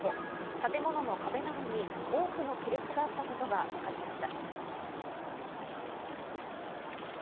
建物の壁などに多くの亀裂があったことがわかりました。